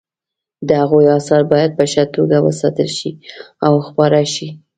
د هغوی اثار باید په ښه توګه وساتل شي او خپاره شي